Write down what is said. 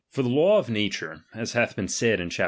XIV, For the law of nature (as hath been said in chap.